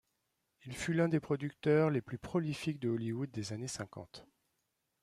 Il fut l'un des producteurs les plus prolifiques de Hollywood des années cinquante.